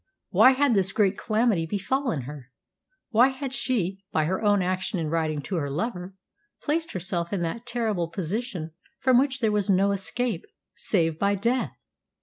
Why had this great calamity befallen her? Why had she, by her own action in writing to her lover, placed herself in that terrible position from which there was no escape save by death?